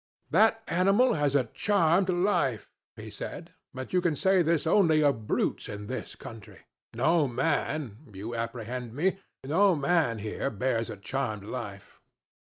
'That animal has a charmed life,' he said; 'but you can say this only of brutes in this country. No man you apprehend me? no man here bears a charmed life.'